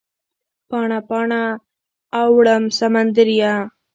پاڼه، پاڼه اوړم سمندریمه